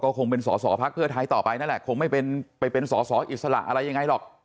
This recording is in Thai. ก็คงเป็นสสพไทยต่อไปนั่นแหละคงไม่เป็นไปเป็นสสอิสระอะไรยังไงหรอก